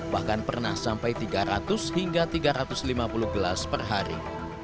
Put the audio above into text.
bahkan pernah sampai tiga ratus hingga tiga ratus lima puluh gelas per hari